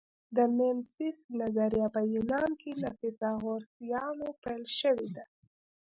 د میمیسیس نظریه په یونان کې له فیثاغورثیانو پیل شوې ده